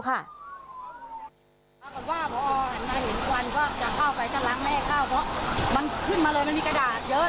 บอกว่าเพราะว่านายเห็นกวนก็จะเข้าไปก็ล้างแม่เข้าเพราะมันขึ้นมาเลยมันมีกระดาษเยอะเท่านั้น